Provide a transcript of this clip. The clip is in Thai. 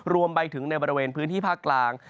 รวมไปถึงในบริเวณพื้นที่ภาคกลาง